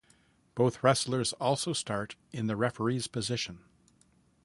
Both wrestlers also start in the referee's position.